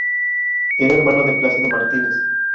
Era hermano de Plácido Martínez.